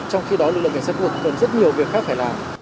trong khi đó lực lượng cảnh sát thuộc cần rất nhiều việc khác phải làm